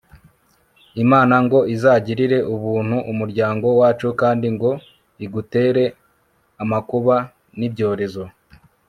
imana ngo izagirire ubuntu umuryango wacu kandi ngo igutere amakuba n'ibyorezo